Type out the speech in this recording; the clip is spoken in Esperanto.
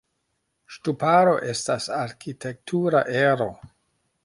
Ŝtuparo estas arkitektura ero.